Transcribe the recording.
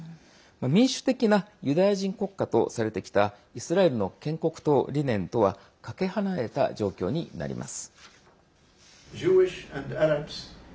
民主的なユダヤ人国家とされてきたイスラエルの建国の理念とはかけ離れた状況になります。